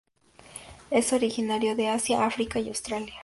Es originario de Asia, África y Australia.